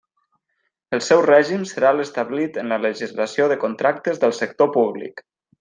El seu règim serà l'establit en la legislació de contractes del sector públic.